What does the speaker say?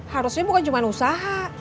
harusnya bukan cuma usaha